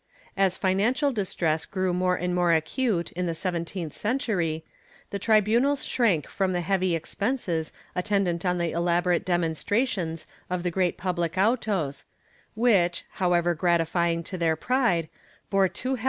* As financial distress grew more and more acute, in the seven teenth century, the tribunals shrank from the heavy expenses attendant on the elaborate demonstrations of the great public autos which, however gratifying to their pride, bore too heavily * Ant.